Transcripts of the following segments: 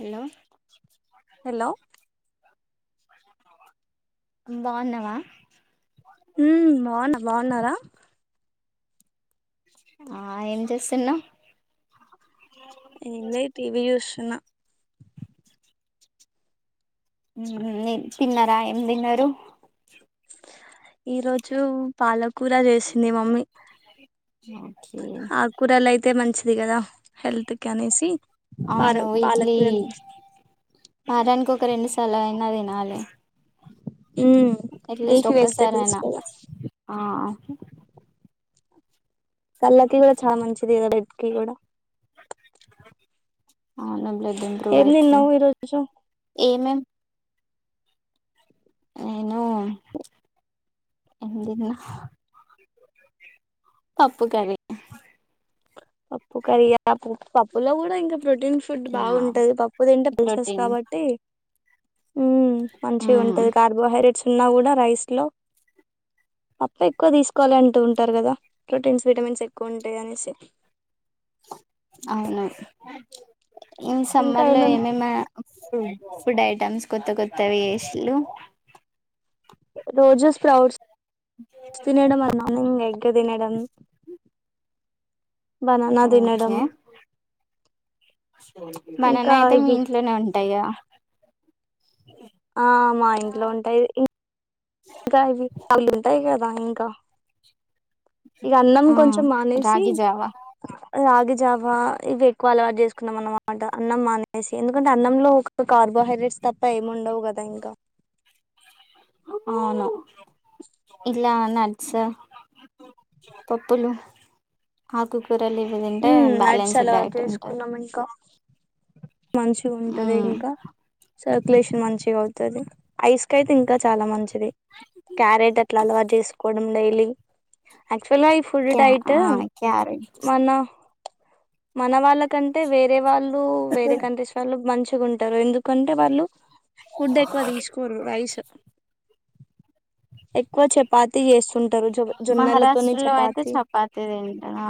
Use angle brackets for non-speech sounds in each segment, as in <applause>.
Hello hello బాగున్నావా ఉ బాగున్న బాగున్నారా ఆ ఏం చేస్తున్నావ్ ఏం లే టీవీ చూస్తున తిన్నారా ఏం తిన్నారూ ఈరోజు పాల కూర చేసింది మమ్మీ ఓకే ఆకుకూరలు అ యితే మంచిది కదా హెల్త్ క అనేసి పాల అవును వీక్లీ పాలకూర వారానికి ఒక రెండు సార్లు అయినా తెనాలి ఉమ్ అట్లీస్ట్ లీఫీ ఒక్కసారి వెజిటబుల్స్ అయినా కదా కళ్ళకి కూడా చాలా మంచిది కదా బడ్కి కూడా అవును బ్లడ్ ఇంప్రూవ్ ఏం అయితది తిన్నావు ఈరోజు ఏమేం నేను ఏం తిన్నా పప్పు కర్రీ పప్పు కర్రీ ఆ పప్పులో కూడా ఇ ప్రొటీన్ ఫుడ్ యా బాగుంటది పప్పు తింటే పిలిసేస్ ప్రోటీన్ కాబట్టి మంచి మ్మ్ ఉంటది కార్బోహైడ్రేట్స్ ఉన్నా కూడా రైస్ లో పప్పు ఎక్కువ తీసుకోవాలి అంటూ ఉంటారు కదా ప్రోటీన్స్ విటమిన్స్ ఎక్కువ ఉంటాయి అనేసి అవును ఇ ఇంకా సమ్మర్ లో ఏమేం ఏమేమ ఫుడ్ ఐటమ్స్ కొత్త కొత్తవి ఏసీలు రోజు ప్రౌడ్స్ తినడం మార్నింగ్ ఎగ్ తినడం బననా తినడం బననా ఇంకా అయితే మీ ఇవి ఇంట్లోనే ఉంటాయా గా ఆ మా ఇంట్లో ఉంటాయి ఇకావి చలు ఉంటాయి కదా ఇకా ఇక అన్నం ఆ కొంచెం మానేసి రాగి జావా రాగిజావా ఇవి ఎక్కువ అలవాటు చేసుకు కున్నాం అనమాట అన్నం మానేసి ఎందుకంటే అన్నంలో ఒక కార్బోహైడ్రేట్స్ తప్ప ఏమి ఉండవు కదా ఇంకా అవును ఇట్లా నట్స్ పప్పులు ఆకు కూరలు ఇవి తింటే ఉమ్ నట్స్ బ్యాలెన్స్డ్ అలవాటు డైట్ ఉంటుంది చేసుకున్నాం ఇంకా మంచిగా ఉంటది ఉమ్ ఇంకా సర్కులేషన్ మంచిగా అవుతుది ఐస్ కి అయితే ఇంకా చాలా మంచిది క్యారెట్ అట్లా అలవా చేసుకోవడం డైలీ యాక్చువల్ గా ఈ ఫుడ్ క్యా డైట్ ఆ క్యారెట్ మన మన వాళ్ళకంటే వేరే వాళ్ళు వేరే కంట్రీస్ వాళ్ళు మంచిగా ఉంటారు ఎందుకంటే వాళ్ళు ఫుడ్ ఎక్కువ తీసుకోరు రైస్ ఎక్కువ చపాతి చేసు టారు జొ జొన్నెలతోని మహారాష్ట్రలో అయితే చపాతి తింటా ఆ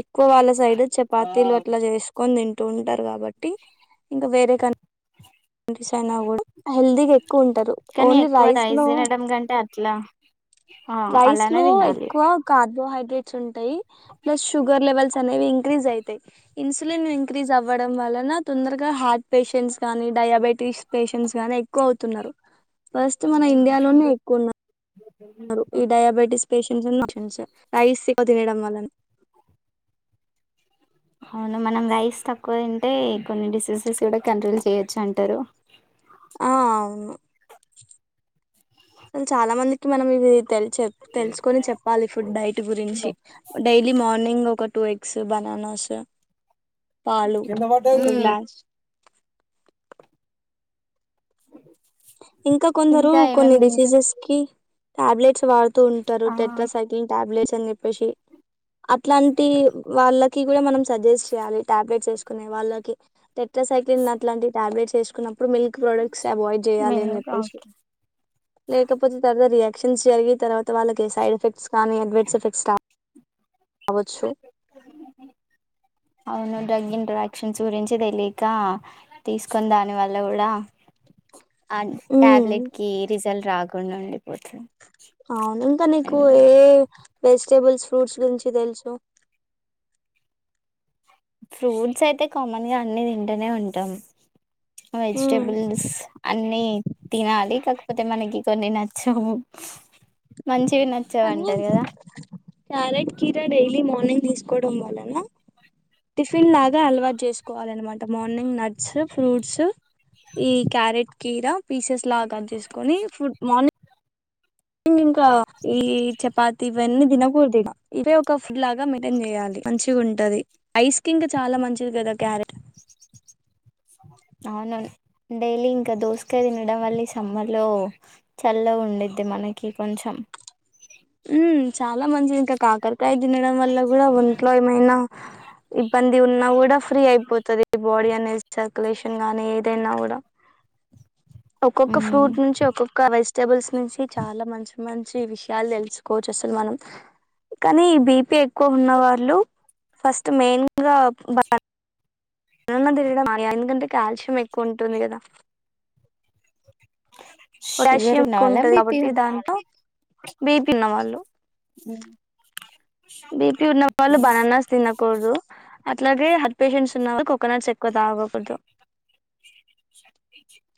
ఎక్కువ వాళ్ళ సైడ్ చపాతీలు అట్లా చేసుకొని తింట ఉంటారు కాబట్టి ఇంకా వేరే కనీ స్ అయినా కూడా హెల్దీగా ఎక్కువ ఉంటారు కానీ ఓన్లీ ఎక్కువ రైస్ ను తినడం కంటే అట్లా ఆ రైస్ అలానే లో తినాలి ఎక్కువ కార్బోహైడ ట్స్ ఉంటాయి ప్స్ షుగర్ లెవెల్స్ అనేవి ఇంక్రీ అవుతాయి ఇన్సులిన్ ఇంక్రీస్ అవ ఆవ్వడం వలన తొందరగా హార్ట్ పేషెంట్స్ గానీ డయాబెటీస్ పేషెంట్స్ కానే ఎక్కువ అవుతున్నారు ఫస్ట్ మన ఇండియాలోనే ఎక్కువ ఉన్నారు ఈ డయాబెటిస్ పేషన్స్ మోషన్స్ రైస్ ఎక్కువ తినడంవల్లనా అవును మనం రైస్ తక్కువ తింటే కొన్ని డిసీజెస్ కూడా కంట్రోల్ చేయొచ్చు అంటారు కానీ చాలా మందికి మనం ఇవి తెల్ చె తెలుసుకొని చెప్పాలి ఫుడ్ డైట్ గురించి డైలీ మార్నింగ్ ఒక టూ ఎగ్స్ బనానాస్ పాలు ఒక ఉమ్ గ్లాస్ ఇంకా కొందరు ఏమేం కొన్ని తింటు డిసీజెస్కి టాబ్లెట్స్ వాడ్ ఉంటారు ఆ టెట్రా సైకిలింగ్ టాబ్లెట్స్ అని చెప్పేసి ఇట్లాంటి వాళ్ళకి కూడా మనం సజెస్ట్ చేయ్యాలి టాబ్లెట్స్ వేసుకునే వాళ్ళకి టెట్ల సైక్లిన్ అలాంటి టాబ్లెట్స్ వేసుకుప్పుడు మల్క్ ప్రొడక్ట్స్ అవాయిడ్ చేయాలి మేము అని లేకపోతే తరరె రియాక్షన్స్ జరిగి తర్వాత వాళ్ళకి సైడ్ ఎఫెక్ట్స్ కానీ అడ్వర్డ్స్ ఎఫెక్ట్స్ రా ఆవచ్చు అవును డ్రగ్ ఇంట్రాక్షన్స్ గురించి తెలియక తీసుకొని దాని వల్ల కూడా ఆ ఉమ్ ట్యాబ్లెట్కి రిజల్ట్ రాకుండా ఉండిపోతుంది అవునింకా నీకు అండ్ ఏ వెజిటబుల్స్ ఫ్రూట్స్ గురించి తెలుసు ఫ్రూట్స్ అయితే కామన్గ అన్ని తింటనే ఉంటాం ఉమ్ వెజిటబుల్స్ అన్ని తినాలి క కాకపోతే మనకి కొన్ని నచ్చవు మంచివి నచ్చవు కానీ అంటారు కదా క్యారెట్ కీరా డైలీ మార్నింగ్ తీసుకోవడం వల్లనా టిఫిన్ లాగా అలవాటు చేసుకోవాలనమాట మార్నింగ్ నట్స్ ఫ్రూట్స్ ఈ క్యారెట్ కీరా పీసెస్ లాగా కట్చెస్కుని ఫుడ్ మార్నింగ్ ఆ ఈ చపాత్ ఇవన్నీ దినకూడ్దిగ అంటే ఒక ఫుడ్ లాగా మెయింటైన్ చేయాలి మంచిగా ఉంటది ఐస్ కింకా చాలా మంచిది కదా కర్రెక్ట్ అవునను డైలీ ఇంకా దోసకాయ తినడం వల్ల సమ్మర్ లో చల్లగ ఉండేది మనకి కొంచెం ఉ చాలా మంచిది ఇంకా కాకరకాయ తినడం వల్ల కూడా ఒంట్లో ఏమైనా ఇబ్బంది ఉన్నా కూడా ఫ్రీ అయిపోతుది బాడీ అనే సర్క్యులేషన్ గానీ ఏదైనా కూడా ఒక్కొక్క ఉమ్, ఫ్రూట్ నుంచి ఒక్కొక్క వెజ్ బుల్స్ నుంచి చాలా మంచి మంచి విషయాలు తెలుసుకోవచ్చు అస్ల్ మనం కానీ ఈ బీపీ ఎక్కువ ఉన్న వాళ్ళు ఫస్ట్ మెయిన్గా బ తిడం మ ఎందుకంటే కాల్షియం ఎక్కువ ఉంటుంది కదా షుగర్ పొటాషియం ఉన్న ఎక్కువ వాళ్ళ ఉంటది బీపీ కాబట్టి ఉన్న దాంట్లో బీ పి ఉన్నవాళ్లు హ్మ్ ఓకే కోదు అట్లాగే హార్ట్ పేషెంట్స్ ఉన్న కోకోనట్స్ ఎక్కువ తాగకూడదు <inaudible>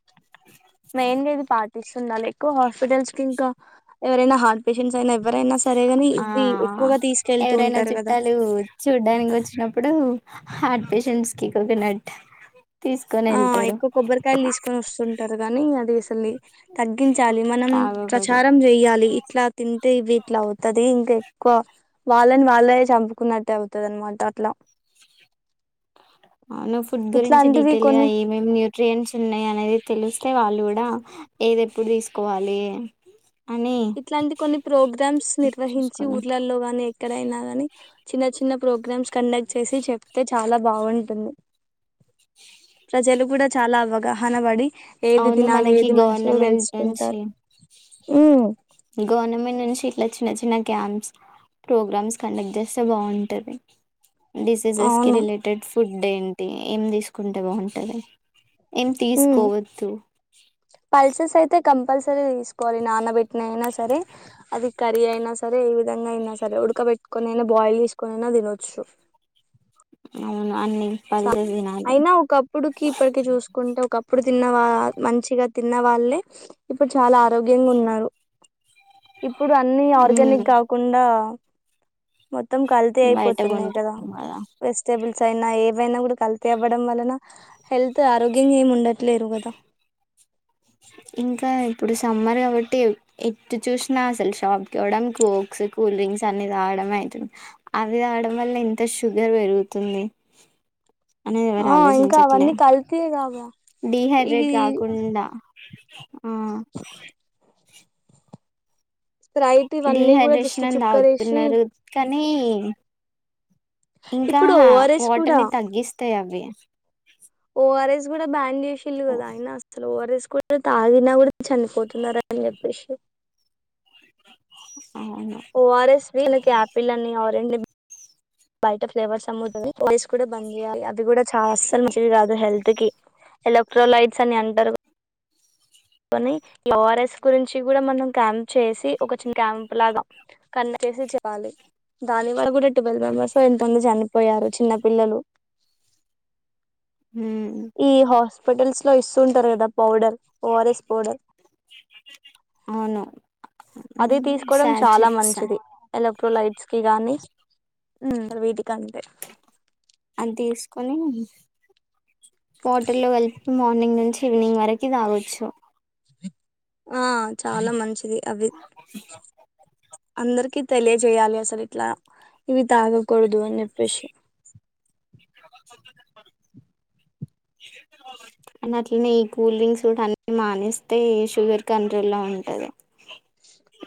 మెయిన్ గా ఇది పాటిస్తుండాలా ఎక్కువ హాస్పిటల్స్ ఇంకా ఎవరైనా హార్ట్ పేషెంట్స్ అయినా ఎవరైనా సరేగాని ఆ ఇవి ఎక్కువగా తీసుకెళ్తూ ఎవరైనా ఉంటారు కదా చుట్టాలు చూడ్డానికి వచ్చినప్పుడు హార్ట్ పేషెంట్స్కి కోకోనట్ తీసుకొని వెళ్తా ఆ ఎక్కువ కొబ్బరకాయలు తీస్కునొస్తుంటారు కానీ అది అసలీ తగ్గించాలి మన తాగకూడదు ప్రచారం చెయాలి ఇట్లా తిన్ వీట్ల అవుతది ఇంకా ఎక్కువ వాళ్ళని వాళ్ళే చంపుకున్నట్టే అవుతది అనమాట అట్లా <inaudible> అవును ఫుడ్ గురించి ఇట్లాంటివి డీటెయిల్ గా కొన్ని ఏమేమి న్యూట్రియన్స్ ఉన్నాయి అనేది తెలిస్తే వాళ్ళు కూడా ఏది ఎప్పుడు తీసుకోవాలి అని ఇట్లాంటి కొన్ని ప్రోగ్రామ్స్ నిర్వహించి చూసుకోని ఊర్లల్లో గాని ఎక్కడైనా గాని చిన్న చిన్న ప్రోగ్రామ్స్ కండక్ట్ చేసి చెప్తే చాలా బాగుంటుంది ప్రజలు కూడా చాలా ఆవగాహనవడి ఏది అవును తినాలి మనకి ఏది మంచిగా గవర్నమెంట్ నుంచి తెలుసుకుంటారు ఉ గవర్నమెంట్ నుంచి ఇట్లా చిన్న చిన్న క్యాంప్స్ ప్రోగ్రామ్స్ కండక్ట్ చేస్తే బాగుంటది డిసీజెస్ కి అవును రిలేటెడ్ ఫుడ్ ఏంటి ఏం తీసుకుంటే బాగుంటది ఏం ఉమ్ తీసుకోవద్దు పల్సెస్ అయితే కం కంపల్సరీ గా తీసుకోవాలి నానబెట్టిన అయినా సరే అది కర్రి అయినా సరే ఏ విధంగా అయినా సరే ఉడక పెట్టుకొని అయిన బాయిల్ చేసుకని అయిన తినొచ్చు అవును అన్ని పల్సెస్ తినాలి అయినా ఒకప్పుడుకి ఇప్పటికి చూసుకుంటే ఒకప్పుడు తిన్నవా మంచిగా తిన్న వాళ్ళే ఇప్పుడు చాలా ఆరోగ్యంగా ఉన్నారు ఇప్పుడు అన్ని ఆర్గానిక్ ఉమ్ కాకుండా మొత్తం కల్తీ బయట అయిపోతున్నాయ్ కదా కొంటున్నాం వెజిటెబుల్స్ అయినా ఏ ఎవైనా కూడా కల్తీ అవ్వడం వలన హెల్త్ ఆరోగ్యంగా ఏమి ఉండట్లేరు కదా ఇంకా ఇప్పుడు సమ్మర్ కాబట్టి ఎట్టు చూసినా అసలు షాప్కి ఓడం కోక్స్ కూల్ డ్రింక్స్ అన్ని త గమే అవి రావడం వల్లే ఇంత షుగర్ పెరుగుతుంది అనేది ఎవరు ఆ ఇంకా ఆలోచించట్లే అవన్నీ కల్తీ కాగా డిహైడ్రేట్ ఇది కాకుండా ఆ స్ప్రైట్ ఇవన్నీ కూడా జస్ట్ డిహైడ్రేషన్ అన్ చుక్కరేసి తాగుతున్నారు కానీ అనీ ఇంకా ఇప్పుడు ఓఆర్ఎస్ కూడా వాటర్ని తగ్గిస్తాయి అవి ఓఆర్ఎస్ కూడా బ్యాన్ చేసిళ్ళు కదా అయిన అసలు ఓఆర్ఎస్ తాగిన కూడా చనిపోతున్నారా అని చెప్పేసి అవును ఓఆర్ఎస్వి ఆయాపిల్ అని ఆరెంజ్ బయట ఫ్లేవర్స్ అమ్ముతది వాయిస్ కూడా బంద అవి కూడా చాల అస్సలు మంచివి కాదు హెల్త్ కి ఎలక్ట్రోలైట్స్ అని అంటరు కని ఓఆర్ఎస్ గురించి కూడా మనం క్యాంప్ చేసి ఒక చిన్న క్యాంప్ లాగా కాని చేసి చెపాలి దాని వల్ కూడా ట్వెల్వ్ మెంబెర్స్ ఎంతోమంది చనిపోయారు చిన్న పిల్లలు ఉమ్ ఈ హాస్పిటల్స్ లో ఇస్తుంటారు కదా పౌడర్ ఓఆర్ఎస్ పౌడర్ అవును అది తీసుకోడం చాలా సాచెట్స్ మంచిది ఎలక్ట్రోలైట్స్ కి గాని వేటి కా అన్ తీసుకొని వాటి లో వల్ కలిపి మార్నింగ్ నుంచి ఈవినింగ్ వరకి తాగొచ్చు ఆ చాలా మంచిది అవి అందరికి తెలియజేయాలి అసలు ఇట్లా ఇవి తాగకూడదు అని చెప్పేసి <unintelligible> అని అట్లనే ఈ కూల్ డ్రింక్ సూట్ అన్ని మానిస్తే షుగర్ కంట్రోల్ లో ఉంటది అ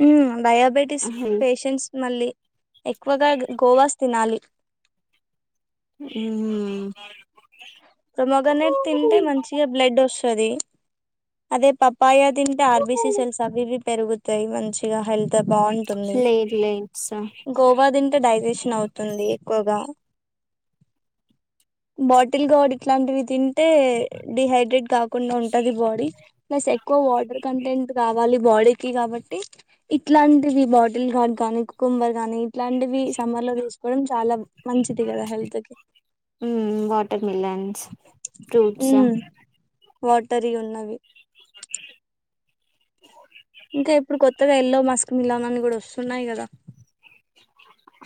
ఉ డయాబెటిస్ పషెంట్స్ మళ్ళీ ఎక్కువగా గోవాస్ తినాలి ఉ పొమగనేట్ తింటే మంచిగా బ్లడ్ ఒస్తది అదే పప్పాయ తింటే ఆర్బీసి సెల్స్ అవి ఇవి పెరుగుతయి మంచిగా హెల్త్ బాగుంటుంది ప్లేట్లెట్స్ గోవా తింట డైజెషన్ అవుతుంది ఎక్కువగా బాటిల్గాడ్ ఇట్లాంటివి తిన్ టే డిహైడ్రేట్ కాకుండా ఉంటది బాడీ ప్లస్ ఎక్కువ వాటర్ కంటెంట్ కావాలి బాడీకి కాబట్టి ఇట్లాంటివి బాటిల్గార్డ్ గానీ కుకుంబర్ గానీ ఇట్లాంటివి సమ్మర్ లో తీసుకోవడం చాలా మంచిది కదా హెల్త్ కి వేన్స్ ఫ్రూట్స్ ఉమ్ వాటరీ ఉన్నవి ఇంకా ఇప్పుడు ఎల్లో మస్క్మిలాన్ అని కూడా వస్తు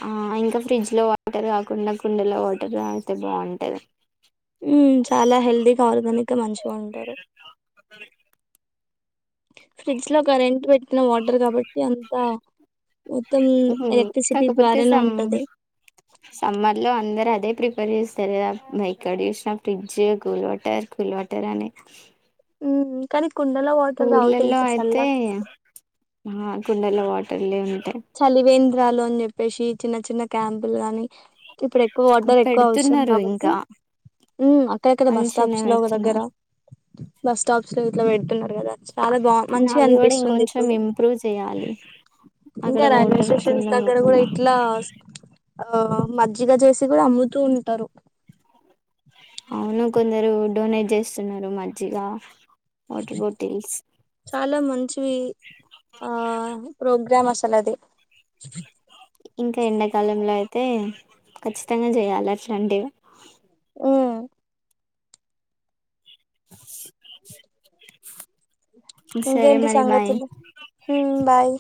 ఆ ఇంకా ఫ్రెంన్డ్స్ లో వాటర్ కాకుండా కుండలో వాటర్ తగితే బావుంటది చాలా హెల్దీగా ఆర్గానిక్గా మంచిగా ఉంటారు <unintelligible> ఫ్రిడ్జ్ లో కరెంట్ పెట్టిన వాటర్ కాబట్టి అంతా మొత్తం మ్మ్. ఎలక్ట్రిసిటీ కాకపోతే ద్వారానే సమ్ ఉంటది సమ్మర్ లో ప్రిపేర్ చేస్తారు కదా ఎక్కడ చూసిన fridge cool water cool water అనే ఉ కానీ కుండలో వాటర్ తావుతే ఊర్లలో ఇంక అయితే చల్లగ ఆ కుండలో వాటర్లే ఉంటాయి చలివేంద్రాలు అని చెప్పేసి చిన్న చిన్న క్యాంపులు గాని ఇప్పుడు ఎక్కువ వాటర్ ఎక్కువ అవసరం పెడుతున్నారు కాబట్టి ఇంకా అక్కడ కదా బస్ మంచినే స్టాప్స్ లో ఒక దగ్గర పెడుతున్నారు బస్ స్టాప్స్ లో ఇట్లా పెడుతున్నారు కదా చాలా బా కానీ మంచిగా అవి కూడా అనిపిస్తుంది ఇంకొంచెం ఇప్పుడు ఇంప్రూవ్ చేయాలి అక్కడ ఇంకా రైల్వే వాటర్ కింద స్టేషన్స్ దగ్గర కూడా పోకుండా ఇట్లా ఆ మజ్జిగ చేసి కూడా అమ్ముతూ ఉంటారు అవును కొందరు డొనేట్ చేస్తున్నారు మజ్జిగా చాలా మంచివి ఆ ప్రోగ్రామ్ అస అది ఇంకా ఎండాకాలంలో అయితే ఖచ్చితంగా చేయాలి అట్లాంటివి ఉమ్ సరే ఇంకేంటి మరి బాయ్ సంగతులు హ్మ్ బాయ్